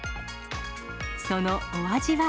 そのお味は。